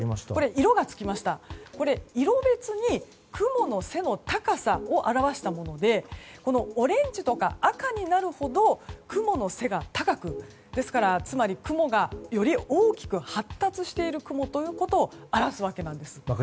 色が付きましたが色別に雲の背の高さを表したものでオレンジとか赤になるほど雲の背が高くつまり、雲がより大きく発達しているということを表すわけなんです。